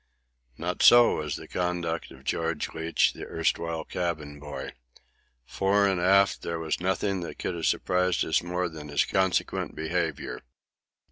Not so was the conduct of George Leach, the erstwhile cabin boy. Fore and aft there was nothing that could have surprised us more than his consequent behaviour.